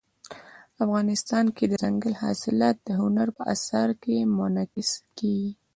افغانستان کې دځنګل حاصلات د هنر په اثار کې منعکس کېږي.